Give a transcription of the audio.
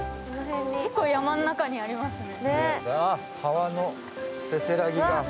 結構、山の中にありますね。